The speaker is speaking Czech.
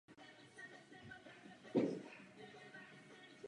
Jak dlouho to ještě potrvá?